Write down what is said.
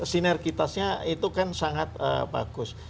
sinergitasnya itu kan sangat bagus